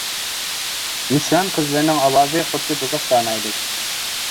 مىسران قىزلىرىنىڭ ئاۋازى، خۇددى بۇزۇق كانايدەك.